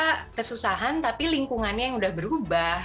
tidak kesusahan tapi lingkungannya yang sudah berubah